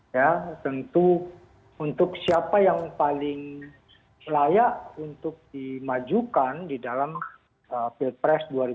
ya tentu untuk siapa yang paling layak untuk dimajukan di dalam pilpres dua ribu sembilan belas